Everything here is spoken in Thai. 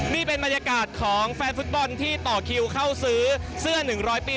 นี่เป็นบรรยากาศของแฟนฟุตบอลที่ต่อคิวเข้าซื้อเสื้อ๑๐๐ปี